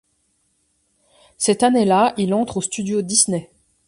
Cette année-là, il entre aux Studios Disney.